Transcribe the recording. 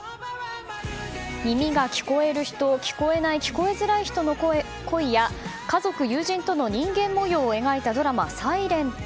耳が聞こえる人聞こえない聞こえづらい人の恋や家族・友人との人間模様を描いたドラマ「ｓｉｌｅｎｔ」。